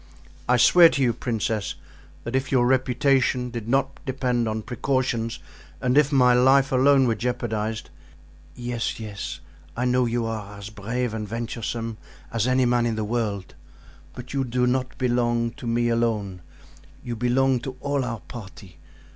"I swear to you, princess, that if your reputation did not depend on precautions and if my life alone were jeopardized——" "Yes, yes! I know you are as brave and venturesome as any man in the world, but you do not belong to me alone; you belong to all our party.